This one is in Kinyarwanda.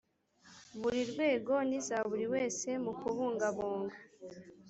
buri rwego n iza buri wese mu kubungabunga